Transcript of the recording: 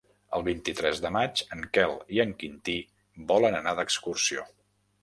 El vint-i-tres de maig en Quel i en Quintí volen anar d'excursió.